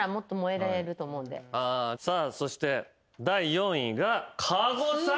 さあそして第４位が加護さん！